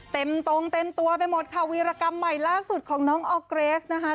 เต็มตรงเต็มตัวไปหมดค่ะวีรกรรมใหม่ล่าสุดของน้องออร์เกรสนะคะ